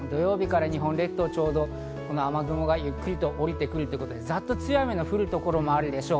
土曜日から日本列島、ちょうどこの雨雲がゆっくりと降りてくるということで、ざっと強い雨の降る所があるでしょう。